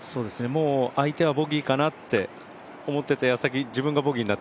相手はボギーかなと思ってた矢先、自分がボギーに。